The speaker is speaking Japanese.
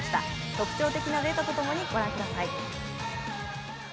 特徴的なデータとともにご覧ください。